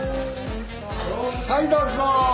はいどうぞ。